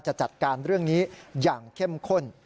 จะจัดการเรื่องนี้อย่างเข้มข้น